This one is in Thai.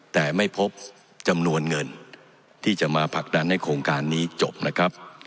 แต่ไม่พบจำนวนเงินที่จะมาผลักดันให้โครงการนี้จบนะครับ